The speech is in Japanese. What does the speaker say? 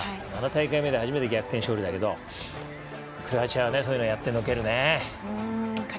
７大会目で初めて逆転勝利だけどクロアチアはそういうのをやってのけるね。